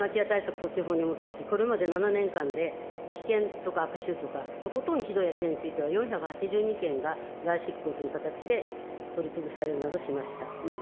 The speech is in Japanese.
措置法に基づきこれまで７年間で危険とか悪臭とか、とことんひどい空き家については４８２軒が代執行という形で、取り潰されるなどしました。